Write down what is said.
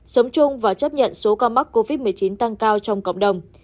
sống chung và chấp nhận số ca mắc covid một mươi chín tăng cao trong cộng đồng